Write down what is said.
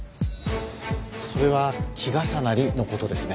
それは「季重なり」の事ですね。